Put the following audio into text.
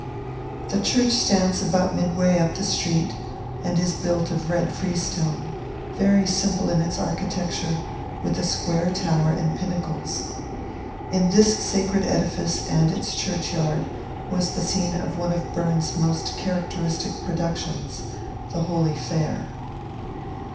The church stands about midway up the street, and is built of red freestone, very simple in its architecture, with a square tower and pinnacles. In this sacred edifice, and its churchyard, was the scene of one of Burns's most characteristic productions, "The Holy Fair."